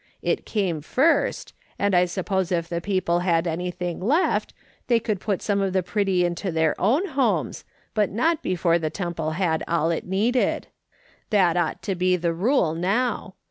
It came first, and I suppose if the people had anything left, they could put some of the pretty into their own homes, but not before the Temple had all it needed. That ought to be the rule now.